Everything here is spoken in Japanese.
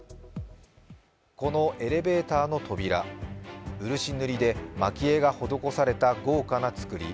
このエレベーターの扉、漆塗りで蒔絵が施された豪華な作り。